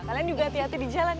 kalian juga hati hati di jalan